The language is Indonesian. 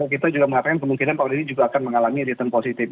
kita juga mengatakan kemungkinan tahun ini juga akan mengalami return positif